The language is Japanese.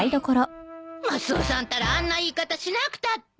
マスオさんったらあんな言い方しなくたって。